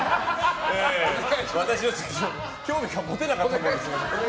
私は興味が持てなかったので。